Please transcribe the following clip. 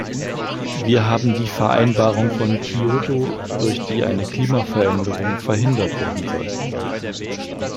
Wir haben die Vereinbarung von Kyoto, durch die eine Klimaveränderung verhindert werden soll.